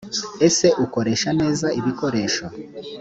ese ukoresha neza ibikoresho